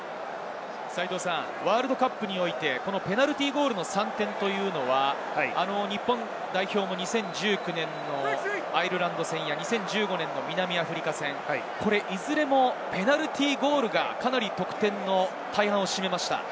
ワールドカップにおいてペナルティーゴールの３点は、日本代表も２０１９年のアイルランド戦や２０１５年の南アフリカ戦、いずれもペナルティーゴールがかなり得点の大半を占めました。